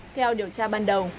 theo điều tra ban đầu